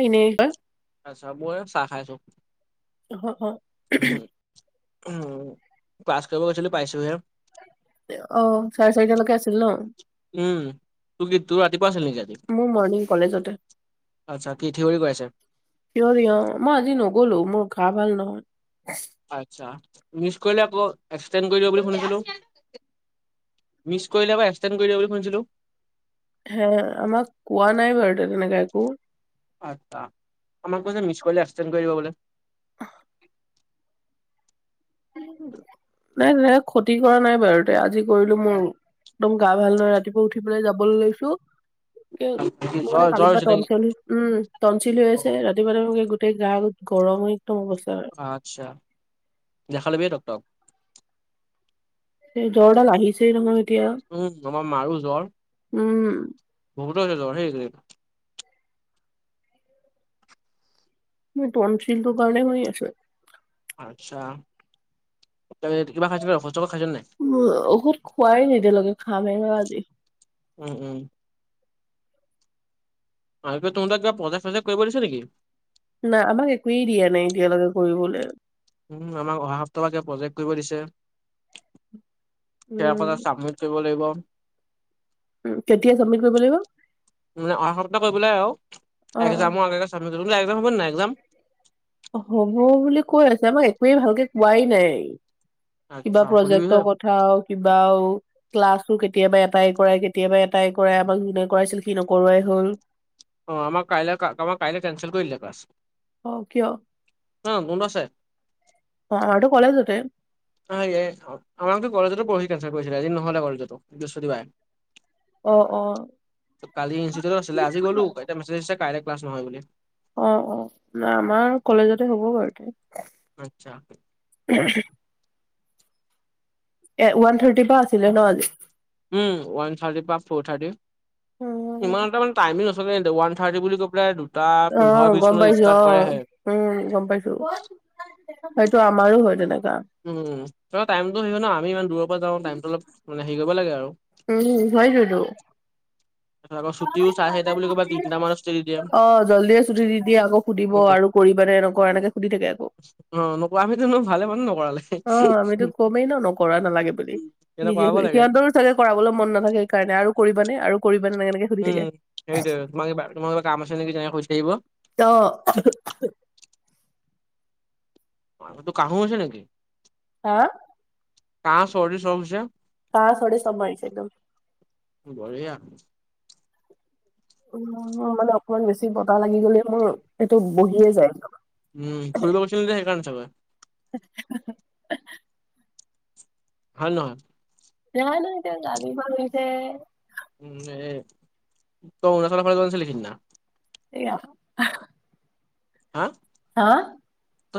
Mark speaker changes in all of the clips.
Speaker 1: এ এনেই, কোৱা?
Speaker 2: আচ্ছা ময়ো চাহ খাই আছোঁ।
Speaker 1: অ
Speaker 2: উমহ। উমহ, ক্লাছ কৰিব গৈছিলো পাইছোহে
Speaker 1: অ চাৰে চাৰিটালৈকে আছিল ন
Speaker 2: উম তোৰ কি তোৰ ৰাতিপুৱা আছিল নেকি আজি?
Speaker 1: মোৰ মৰ্ণিং কলেজতে।
Speaker 2: আচ্ছা কি থিয়ৰী কৰাইছে।
Speaker 1: থিয়ৰী অ, মই আজি নগলো মোৰ গা ভাল নহয়।
Speaker 2: আচ্ছা, মিছ কৰিলে আকৌ এক্সটেণ্ট কৰি দিব বুলি শুনিছিলো। মিছ কৰিলে আকৌ এক্সটেণ্ট কৰি দিয়ে বুলি শুনিছিলো।
Speaker 1: হে আমাক কোৱা নাই বাৰু তেনেকে একো।
Speaker 2: আচ্ছা আমাক কৈছে মিছ কৰিলে এক্সটেণ্ট কৰি দিব বোলে।
Speaker 1: নাই তেনেকে খতি কৰা নাই বাৰু তে আজি কৰিলোঁ মোৰ একদম গা ভাল নহয় ৰাতিপুৱা উঠি পেলাই যাবলৈ লৈছোঁ। কে,
Speaker 2: কি
Speaker 1: মোৰ মানে
Speaker 2: জ্বৰ জ্বৰ
Speaker 1: কালি
Speaker 2: হৈছে
Speaker 1: পৰা
Speaker 2: নেকি
Speaker 1: টনচিল, উম টনচিল হৈ
Speaker 2: অ
Speaker 1: আছে। ৰাতিপুৱা তামানে কি গোটেই গা গৰম হৈ একদম অৱস্থা
Speaker 2: আচ্ছা। দেখা লবিয়ে ডক্টৰক।
Speaker 1: সেই জ্বৰডাল আহিছেই নহয় এতিয়া।
Speaker 2: উম আমাৰ মাৰো জ্বৰ।
Speaker 1: উম।
Speaker 2: বহুত হৈছে জ্বৰ সেই
Speaker 1: মুৰ তন্সিলটোৰ কাৰণে হৈ আছে।
Speaker 2: আচ্ছা, তই কিবা খাইছোঁ নাই ঔষধ সৌষদ খাইছ নাই?
Speaker 1: উ ঔষুধ খোৱাই নাই এতিয়ালৈকে, খামে আৰু আজি।
Speaker 2: উম উম। আৰু কিবা তোমাৰ তাত কিবা প্ৰজেক্ট চজেক কৰিব দিছে নেকি?
Speaker 1: নাই আমাক একোৱেই দিয়া নাই এতিয়ালৈকে কৰিবলে।
Speaker 2: উম, আমাক অহা সপ্তাহৰ পৰা কিবা প্ৰজেক্ট কৰিব দিছে। সে
Speaker 1: উম,
Speaker 2: [unintelligible] চাবমিত কৰিব লাগিব।
Speaker 1: কেতিয়া চাবমিত কৰিৰ লাগিব?
Speaker 2: মানে অহা সপ্তাহ কৰিবলৈ আৰু
Speaker 1: অ',
Speaker 2: এক্সামৰ আগে-আগে চাবমিট একজাম হ'ব নাই একজাম?
Speaker 1: হ'ব বুলি কৈ আছে, আমাক একোৱেই ভালকে কোৱাই নাই, কিবা
Speaker 2: আচ্ছা
Speaker 1: প্ৰজেক্ট
Speaker 2: সুধিবিহে
Speaker 1: উঠাও কিবাও ক্লাছো কেতিয়াবা এটাই কৰাই, কেতিয়াবা এটাই কৰাই, আমাক যোনে কৰাইছিল সি নকৰোৱাই হ'ল।
Speaker 2: অ', আমাক কাইলৈ আমাক কাইলৈ কেনঞ্চেল কৰিদিলে ক্লাছ।
Speaker 1: অ কিয়?
Speaker 2: অ', [unintelligible] আছে।
Speaker 1: অ', আৰুটো কলেজতে?
Speaker 2: অ', এ আমাকতো কলেজতো পৰহি কেনচেল কৰিছিলে, আজি নহ'লে কলেজতো বৃহস্পতি বাৰে।
Speaker 1: অ', অ'।
Speaker 2: কালি ইনষ্টিটিউত আছিলে, আজি গলোঁ [unintelligible] মেছেজ দিছে কাইলৈ ক্লাছ নহয় বুলি।
Speaker 1: অ', অ', না আমাৰ কলেজতে হ'ব বাৰু।
Speaker 2: আচ্ছা
Speaker 1: ওৱান থাৰ্টিৰ পৰা আছিলে ন আজি?
Speaker 2: উম, ৱান থাৰ্টি পৰা ফ'ৰ থাৰ্টি। ইমান এটা মানে টাইমিং নচলে কিন্তু ওৱান থাৰ্টি বুলি কৈ পেলাই দুটা পোন্ধৰ
Speaker 1: অ',
Speaker 2: বিশ
Speaker 1: গম
Speaker 2: মানত
Speaker 1: পাইছোঁ
Speaker 2: ষ্টাৰ্ট
Speaker 1: অ',
Speaker 2: কৰেহে।
Speaker 1: উম, গম পাইছোঁ। সেইটো আমাৰো হয় তেনেকা।
Speaker 2: উম, তই টাইমটো [unintelligible] না, আমি ইমান দূৰৰ পৰা যাওঁ টাইমটো অলপ মানে হেৰি কৰিব লাগে আৰু।
Speaker 1: উম, হয় হেতু।
Speaker 2: তাৰপিছত আকো ছুটিও চাৰে চাইটা বুলি কৈ পেনাই তিনিটা মানত চুটি দি দিয়ে।
Speaker 1: জলদিয়ে চুটি দি দিয়ে আকৌ সুধিব
Speaker 2: উম,
Speaker 1: আৰু কৰিবানে এনেকুৱা এনেকে সুধি থাকে আকৌ।
Speaker 2: অ', নকৰা আমিতোনো ভালে মানে নকৰালে।
Speaker 1: অ', আমিতো কমেই ন নকৰা নালাগে বুলি,
Speaker 2: এনে
Speaker 1: নিজে
Speaker 2: কৰাব লাগে
Speaker 1: সিহঁতৰ চাগে কৰাবলৈ মন নাথাকে সেইকাৰণে আৰু কৰিব নে আৰু কৰিব নে এনেকে সুধি থাকে
Speaker 2: উম, সেইটোৱে। তোমাক তোমালুকৰ কাম আছে নেকি তেনেকে কৈ থাকিব।
Speaker 1: অ'।
Speaker 2: তোৰ কাঢ়ো হৈছে নেকি?
Speaker 1: হা?
Speaker 2: কাঁহ চৰ্দি চব হৈছে।
Speaker 1: কাঁহ চৰ্দি চ'ব মাৰিছে একদম।
Speaker 2: বঢ়িয়া।
Speaker 1: উম, মানে অকণমান বেছি বতাহ লাগি গলে মোৰ সেইটো বহিয়ে যায়।
Speaker 2: উম, ফুৰিব গছিলে যে সেইকাৰণে চাগে?
Speaker 1: [unintelligible]
Speaker 2: হয় নহয়?
Speaker 1: [unintelligible] তেওঁ গালি পৰিছে।
Speaker 2: এই তই অৰুণাচলৰ ফালে গৈছিলি সিদিনা?
Speaker 1: সেয়া।
Speaker 2: হা?
Speaker 1: হা?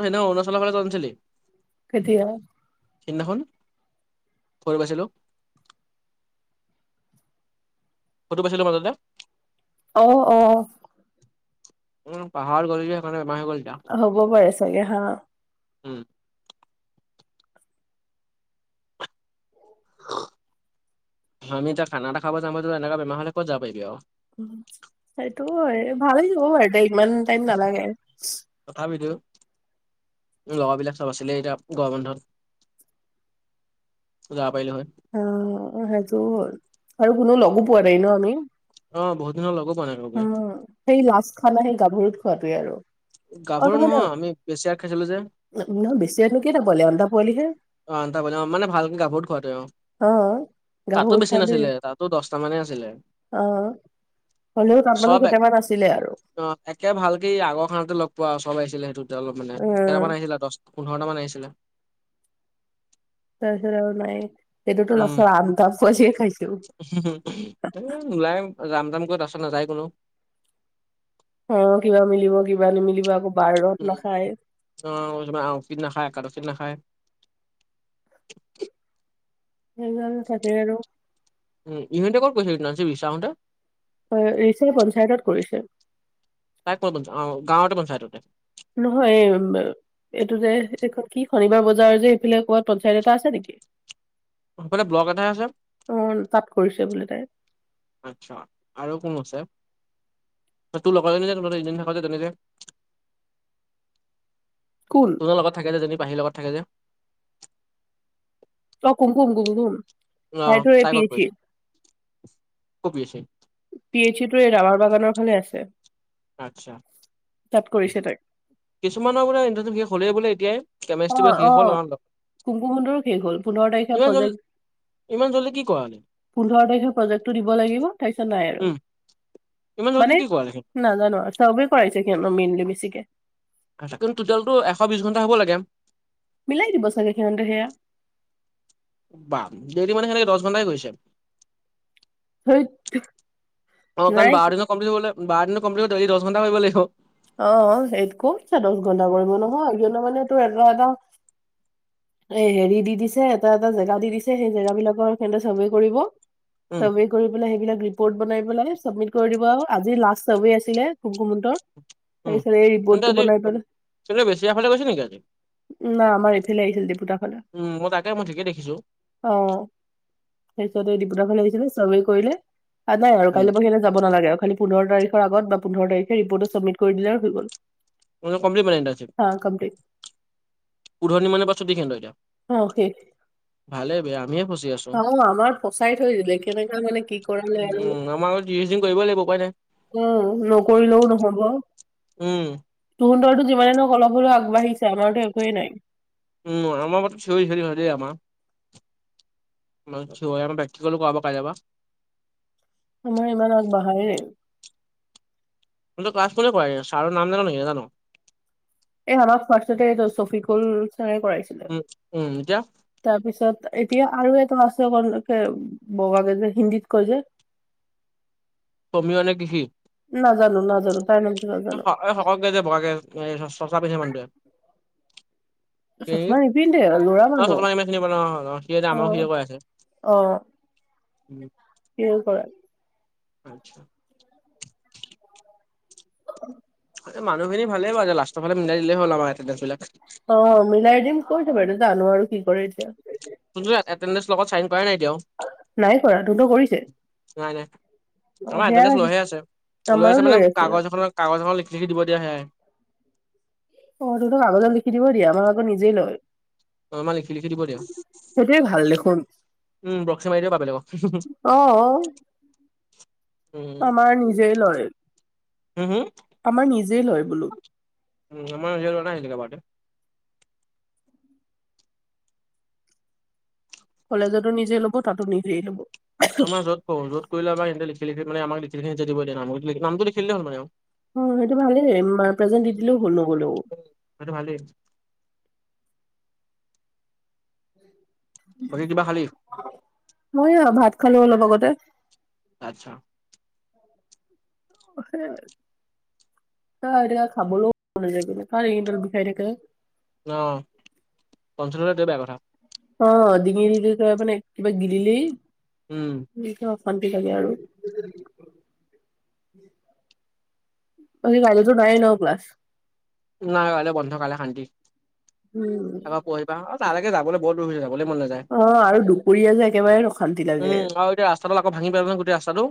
Speaker 2: তই সেইদিনা অৰুণাচলৰ ফালে যোৱা নাছিলি?
Speaker 1: কেতিয়া?
Speaker 2: সিদিনাখন? [unintelligible] পাইছিলোঁ। ফটো পাইছিলো মাজতে।
Speaker 1: অ', অ'।
Speaker 2: উম পাহাৰ গল যে সেইকাৰণে এমাহ গল এতিয়া।
Speaker 1: লব পাৰে চাগে হা?
Speaker 2: উম। আমি যে খানা এটা খাব যামো এনেকুৱা বেমাৰ হলে কত যাব পাৰিবি আৰু?
Speaker 1: উম সেইটো ভালেই যাব বাৰু দে ইমান টাইম নালাগে চু।
Speaker 2: তথাপিতো ল'ৰাবিলাক চাবাচোন এই এতিয়া গৰম বন্ধত যাব পাৰিলো হয়।
Speaker 1: অ, সেইটো হ'ল আৰু কোনো লগো পোৱা নাই ন আমি?
Speaker 2: অ বহুত দিন হ'ল লগো পোৱা নাই। কাকোকে
Speaker 1: উম সেই লাষ্টখনেই সেই গাভৰুত খোৱাতোৱে আৰু।
Speaker 2: গাভৰু নহয় আমি বেছি আ খাইচিলো যে।
Speaker 1: ন নহয় বেছিনো কি ন পোৱালি আন্ধা পোৱালিহে।
Speaker 2: অ আনতা বজা মানে ভালকে গাভৰুত খুৱাতে অ।
Speaker 1: অ
Speaker 2: তাতো
Speaker 1: গাভৰুত
Speaker 2: বেছি
Speaker 1: পোৱালি
Speaker 2: নাছিলে তাতো দহটা মানে আছিলে
Speaker 1: অ। হলেও তাত মানে
Speaker 2: চব এক
Speaker 1: কেইটামান আছিলে আৰু।
Speaker 2: অ একে ভালকে আগৰখানতে লগ পোৱা চব আহিছিলে সেইটো অলপ মানে
Speaker 1: উম।
Speaker 2: কেইটামান আহিছিলে দচ পোন্ধৰটামান আহিছিলে।
Speaker 1: তাৰ পাছত আৰু নাই, সেইটোতো
Speaker 2: উম
Speaker 1: লাষ্টত আম ত পোৱাচে খাইছো আহ হা।
Speaker 2: ওলাই যাম যাম কৈ তাৰ পাছত নাযায় কোনো।
Speaker 1: অ কিবা মিলিব কিবা নিমিলিব আকৌ বাৰত
Speaker 2: উম
Speaker 1: নাখায়।
Speaker 2: অ কিবা আউটফিট নাখাই কাঠচি নাখায়।
Speaker 1: সেই গ'ল তাকে আৰু।
Speaker 2: উম ইহতি ক'ত গৈছে বিনাচি বিছাউতে?
Speaker 1: হয় ৰিচে পঞ্চায়তত কৰিছে।
Speaker 2: তাই ক'ত অ গাঁৱতে পঞ্চায়ততে।
Speaker 1: নহয় এমবে এইটো যে এইখন কি শনিবাৰ বজাৰ যে এইফালে কবাত পঞ্চায়ত এটা আছে নেকি?
Speaker 2: এইফালে ব্লক এটাই আছে।
Speaker 1: অ তাত কৰিছে বোলে তাই
Speaker 2: আচ্ছা আৰু কোন আছে? তোৰ লগৰজনী তোৰ ইজনী লগত থাকা তেনেকে।
Speaker 1: কুল?
Speaker 2: তোৰ লগত থাকে সেজনি পাহিৰ লগ থাকে যে?
Speaker 1: তই কুমকুম, গুমগুম
Speaker 2: অ',
Speaker 1: হায়টো
Speaker 2: তাই ক'ত
Speaker 1: পিএইচি।
Speaker 2: কৰিছে কপি এছ চি
Speaker 1: পি এইচি টো এই ৰাৱাৰ বাগানৰ ফালে আছে।
Speaker 2: আচ্ছা,
Speaker 1: তাত কৰিছে তাই
Speaker 2: কিছুমানৰ পৰা ইন্টাৰভিউ শেষ হ'লেই বোলে এতিয়াই?
Speaker 1: অ
Speaker 2: কেমেষ্ট্ৰি বোলে শেষ
Speaker 1: অ,
Speaker 2: হ'ল আমাৰ
Speaker 1: কুমকুমহঁতৰো শেষ হ'ল পোন্ধৰ তাৰিখে
Speaker 2: ইমান জল
Speaker 1: প্ৰজেক্ট
Speaker 2: ইমান জল্দি কি কৰা নি?
Speaker 1: পোন্ধৰ তাৰিখে প্ৰজেক্টটো দিব লাগিব তাৰপিছত নাই আৰু
Speaker 2: উম ইমান জল্দি
Speaker 1: মানে
Speaker 2: কি কৰালে
Speaker 1: নাজানো আৰু চাৰ্ভে কৰাইছে কেনো মেইনলি বেছিকে।
Speaker 2: আচ্ছা কিন্তু টোটেলটো এশ বিশ ঘণ্টা হ'ব লাগে?
Speaker 1: মিলাই দিব চাগে সিহঁতে সেয়া।
Speaker 2: বা দেৰি মানে সেনেকে দশ ঘণ্টাই গৈছে।
Speaker 1: ধেইত
Speaker 2: অ কাৰণ
Speaker 1: নাই
Speaker 2: বাৰ দিনত কমপ্লিট হ'লে বাৰ দিনত কমপ্লিট সি দশ ঘন্টা কৰিব লাগিব।
Speaker 1: অ সেই কোপচে দশ ঘণ্টা কৰিব নহয় এ মানে এটা এটা এ হেৰি দি দিছে এটা এটা জেগা দি দিছে, সেই জেগাবিলাকৰ চাৰ্ভে কৰিব
Speaker 2: উম
Speaker 1: চবেই কৰি পেলাই সেইবিলাক ৰিপৰ্ট বনাই পেলাই চাবমিট কৰি দিব আৰু আজি লাষ্ট চবেই আছিলে কুমকুমহঁতৰ।
Speaker 2: উম
Speaker 1: তাৰপিছত এই
Speaker 2: তেন্তে
Speaker 1: ৰিপৰ্টটো
Speaker 2: আজি
Speaker 1: বনাই
Speaker 2: চবেই বেছি আগফালে গৈছে নেকি আজি?
Speaker 1: না আমাৰ এইফালে আহিছিল দেপুটাফালে।
Speaker 2: উম, মই তাকে মই ঠিকে দেখিছো।
Speaker 1: অ তাপিছতে দেপুতাফালে আহিছিল চবেই কৰিলে, আৰু নাই আৰু
Speaker 2: উম,
Speaker 1: কাইলৈ পৰহিলৈ যাব নালাগে, খালী পোন্ধৰ তাৰিখৰ আগত বা পোন্ধৰ তাৰিখে ৰিপটটো চাবমিট কৰি দিলে হৈ গ'ল।
Speaker 2: মই ত কম্প্লিট বনাম তাৰপিছত
Speaker 1: আ কমপ্লিট।
Speaker 2: উধৰ নি মানৰ পা চুটিখিনি
Speaker 1: অ
Speaker 2: এতিয়া
Speaker 1: শেষ
Speaker 2: ভালে বে আমিয়ে ফচি আছো।
Speaker 1: অ আমাৰ ফচাই থৈ দিলে। কেনেকে মানে কি কৰালে আৰু।
Speaker 2: এমাহৰ ত্ৰিচদিন কৰিব লাগিব উপাই নাই।
Speaker 1: উম নকৰিলেও নহব।
Speaker 2: উম।
Speaker 1: তহঁতৰতো যিমানে হওক অলপ হ'লেও আগবাঢ়িছে। আমাৰতো একোৱেই নাই।
Speaker 2: উম আমাৰ [unintelligible] আমাৰ মানে থিওৰি, আকৌ প্ৰেক্টিকেলো কৰাব কাইলৈৰ পৰা।
Speaker 1: আমাৰ ইমান আগবাঢ়াই নাই।
Speaker 2: তহঁতৰ ক্লাছ কোনে কৰাই‌ ছাৰৰ নাম জান নেকি নে নাজান?
Speaker 1: এই আমাক ফাৰ্ষ্টতে এইজন চফিকুল চাৰে কৰাইছিল।
Speaker 2: উম উম এতিয়া?
Speaker 1: তাৰপিছত এতিয়া আৰু এটা আছে অকন বগাকে যে হিন্দীত কয় যে। [inaudible]
Speaker 2: অমীয় নে কি হি?
Speaker 1: নাজানো নাজানো তাৰ নামটো নাজানো।
Speaker 2: এই শকতকে যে বগাকে চছমা পিন্ধে যে মানুহটোৱে। এ
Speaker 1: চচমা নিপিন্ধে ল'ৰা মানুহ
Speaker 2: চকলাম [unintelligible] চিনি পালো অ, সি আমাৰো সিয়ে কৰাইছে।
Speaker 1: অ সিয়ে কৰাই।
Speaker 2: আচ্ছা।
Speaker 1: [inaudible]
Speaker 2: মানুহখিনি ভালেই বাৰু লাষ্ট
Speaker 1: অ মিলাই দিম কৈছে বাৰু। জানো আৰু কি কৰে এতিয়া।
Speaker 2: কোনো এটেণ্ডেঞ্চ লগত চাইন কৰা নাই এতিয়াও?
Speaker 1: নাই কৰা। তহঁতৰ কৰিছে?
Speaker 2: নাই নাই।
Speaker 1: অ
Speaker 2: আমাৰ
Speaker 1: সেয়াই
Speaker 2: এটেণ্ডেঞ্চ লৈহে আছে, লৈ আছে মানে কাগজ এখনৰ কাগজ এখনত লিখি লিখি দিব দিয়ে সেয়াই।
Speaker 1: অ তহঁতক কাগজত লিখি দিব দিয়ে, আমাৰ আকৌ নিজেই লয়।
Speaker 2: অ আমাৰ লিখি লিখি দিব দিয়ে।
Speaker 1: সেইটোৱে ভাল দেখোন
Speaker 2: উম প্ৰক্সি মাৰি দিব পাৰা বেলেগক।
Speaker 1: অ
Speaker 2: উম
Speaker 1: আমাৰ নিজেই লয়,
Speaker 2: হুম হুম
Speaker 1: আমাৰ নিজেই লয় বোলো।
Speaker 2: আমাৰ [unintelligible]
Speaker 1: কলেজতো নিজে লব, তাতো নিজেই ল'ব।
Speaker 2: আমাৰ যত কৰো, যত কৰিলেও আমাৰ সিহঁতে লিখি লিখি মানে আমাক লিখি লিখি নিজে দিব দিয়ে নাম, নামটো লিখি দিলে হ'ল মানে আৰু।
Speaker 1: অ সেইটো ভালেই প্ৰেজেণ্ট দি দিলেও হল নগ'লেও।
Speaker 2: সেইতো ভাল দেই। বাকি কিবা খালি?
Speaker 1: মই অ ভাত খালো অলপ আগতে।
Speaker 2: আচ্ছা।
Speaker 1: খাবলো [unintelligible]
Speaker 2: অ পঞ্চনলে দে বেয়া কথা।
Speaker 1: অ ডিঙিলিলি কৈপিনে কিবা গিলিলি
Speaker 2: উম।
Speaker 1: নিজৰ অশান্তি লাগে আৰু। কাইলেটো নায়ে ন ক্লাছ।
Speaker 2: নাই কাইলে বন্ধ কাইলে শান্তি।
Speaker 1: উম।
Speaker 2: পঢিবা অ তালৈকে যাবলৈ বহুত দূৰ হৈ যায়, যাবলৈ মন নযায়।
Speaker 1: অ আৰু দুপৰীয়া যে একেবাৰে অশান্তি লাগে।
Speaker 2: উম আৰু এতিয়া ৰাস্তাডাল আকৌ ভাঙি পেলালে নহয় গোটেই ৰাস্তাটো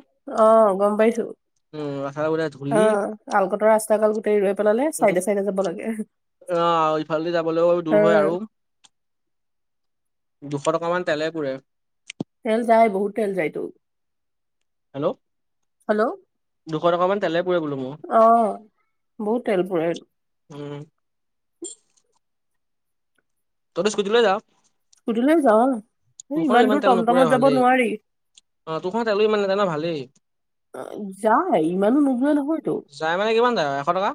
Speaker 1: অ গম পাইছো।
Speaker 2: [unintelligible]
Speaker 1: অ আলকটৰা ৰাস্তা ডাল গোটেই ৰৈ পেলালে চাইডে চাইডে যাব লাগে
Speaker 2: অহ ইফালেদি যাবলৈও
Speaker 1: অ
Speaker 2: দূৰ হয় আৰু দুশ টকামান তেলে পুৰে।
Speaker 1: তেল যায় বহুত তেল যায়তো।
Speaker 2: হেল্ল'
Speaker 1: হেল্ল'
Speaker 2: দুশ টকামান তেলে পুৰে বোলো মো।
Speaker 1: অ বহুত তেল পুৰে
Speaker 2: উম। তই তিটো স্কুটি লৈ যাৱ।
Speaker 1: স্কুটি লৈ যাওঁ সেই
Speaker 2: তোৰখনো
Speaker 1: ইমান দূৰ
Speaker 2: তেল নোপুৰে
Speaker 1: টমটমত যাব
Speaker 2: ভালেই
Speaker 1: নোৱাৰি।
Speaker 2: অ তোৰখনো তেলো ইমান নাযায় ন ভালেই
Speaker 1: অ যায় ইমানো নোযোৱা নহয়টো।
Speaker 2: যায় মানে কিমান যায়? এশ টকা।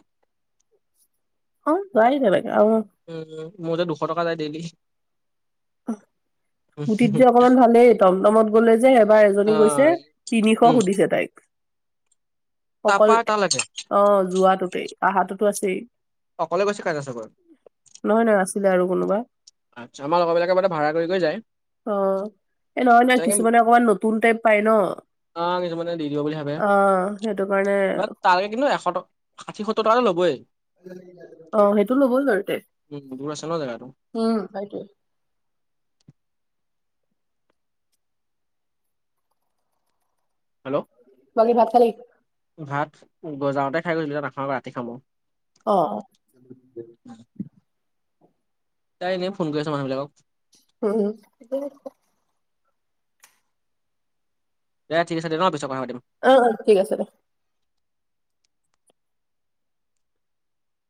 Speaker 1: অ যায় তেনেকে আও
Speaker 2: উম মোৰ যে দুশ টকা যায় ডেইলি
Speaker 1: অহ। স্কুটিত যে অকমান ভালেই টমটমত গ'লে যে এবাৰ
Speaker 2: অ
Speaker 1: এজনী গৈছে তিনিশ
Speaker 2: উম
Speaker 1: সুধিছে তাইক। অকল
Speaker 2: তাৰপা তালৈকে
Speaker 1: অ যোৱাটোতেই অহাটোতো আছেই।
Speaker 2: অকলে গৈছে কাৰণে চাগৈ।
Speaker 1: নহয় নহয় আছিলে আৰু কোনোবা
Speaker 2: আচ্ছা আমাৰ লগৰবিলাকে মানে ভাড়া কৰি কৰি যায়।
Speaker 1: অ এ নহয় নহয়
Speaker 2: তেনেকে
Speaker 1: কিছুমানে অকমান নতুন টাইপ পায় ন।
Speaker 2: অ কিছুমানে দি দিব বুলি ভাবে
Speaker 1: অ সেইটো কাৰণে
Speaker 2: বাট তালেকে কিন্তু এশ টকা ষাঠি, সত্তৰ টকাটো ল'বই।
Speaker 1: অ সেইটো ল'বই বাৰু তে
Speaker 2: উম দূৰ আছে ন জেগাটো
Speaker 1: উম সেইটোৱে
Speaker 2: হেল্ল'
Speaker 1: বাকী ভাত খালি।
Speaker 2: ভাত গজাওঁতে খাই গৈছিলো এতিয়া নাখাওঁ ৰাতি খাম আকৌ।
Speaker 1: অহ
Speaker 2: তাই এনেই ফোন কৰি আছে মানুহবিলাকক
Speaker 1: উম।
Speaker 2: দে ঠিক আছে দে ন পিছত কথা পাতিম।
Speaker 1: অঁ অঁ ঠিক আছে দে।